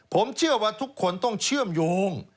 ผมเชื่อว่าทุกคนต้องเชื่อมโยง